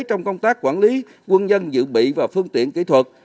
trong công tác quản lý quân nhân dự bị và phương tiện kỹ thuật